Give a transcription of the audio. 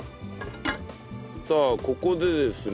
さあここでですね